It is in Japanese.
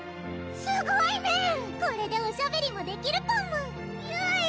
すごいメンこれでおしゃべりもできるパムゆい